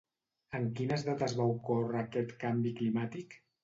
En quines dates va ocórrer aquest canvi climàtic?